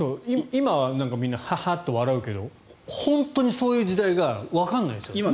今はみんなハハッて笑うけど本当にそういう時代がわからないですよ